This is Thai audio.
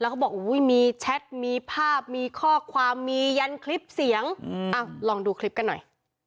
เขาบอกอุ้ยมีแชทมีภาพมีข้อความมียันคลิปเสียงลองดูคลิปกันหน่อย